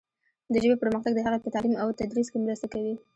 د ژبې پرمختګ د هغې په تعلیم او تدریس کې مرسته کوي.